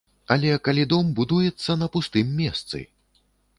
Але калі дом будуецца на пустым месцы?